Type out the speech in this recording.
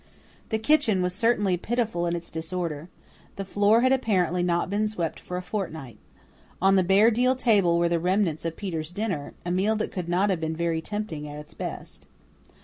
The kitchen was certainly pitiful in its disorder. The floor had apparently not been swept for a fortnight. On the bare deal table were the remnants of Peter's dinner, a meal that could not have been very tempting at its best.